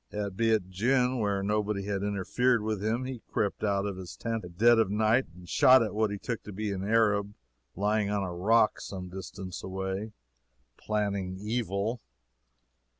At Beit Jin, where nobody had interfered with him, he crept out of his tent at dead of night and shot at what he took to be an Arab lying on a rock, some distance away, planning evil.